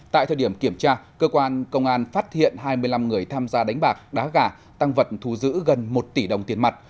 tại thời điểm kiểm tra cơ quan công an phát hiện hai mươi năm người tham gia đánh bạc đá gà tăng vật thu giữ gần một tỷ đồng tiền mặt